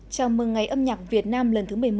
chào mừng ngày âm nhạc việt nam lần thứ một mươi một